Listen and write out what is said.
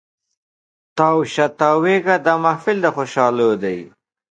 تاو شه تاویږه دا محفل د خوشحالو دی